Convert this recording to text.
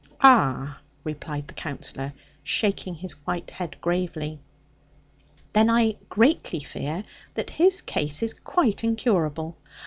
'Ah,' replied the Counsellor, shaking his white head gravely; 'then I greatly fear that his case is quite incurable.